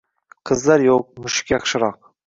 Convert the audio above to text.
Qizlar Yo'q, mushuk yaxshiroq!